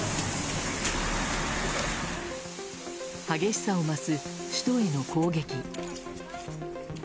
激しさを増す首都への攻撃。